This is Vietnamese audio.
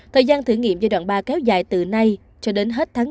thời gian thử nghiệm giai đoạn ba kéo dài từ nay cho đến hết tháng bốn